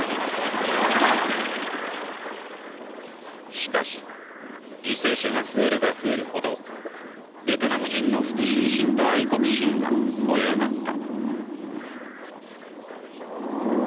しかし犠牲者が増えれば増えるほどベトナム人の復しゅう心と愛国心が燃え上がった。